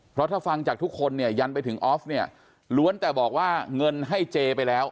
เพราะถ้าฟังจากทุกคนเนี่ยยันไปถึงออฟเนี่ยล้วนแต่บอกว่าเงินให้เจไปแล้ว